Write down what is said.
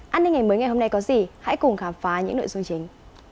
an ninh ngày mới ngày hôm nay có gì hãy cùng khám phá những nội dung chính